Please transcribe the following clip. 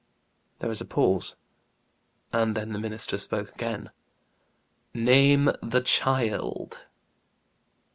There was a pause, and then the minister spoke again. "Name the child."